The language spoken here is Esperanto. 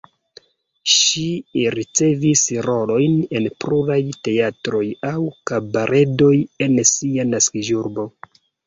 Ŝi ricevis rolojn en pluraj teatroj aŭ kabaredoj en sia naskiĝurbo.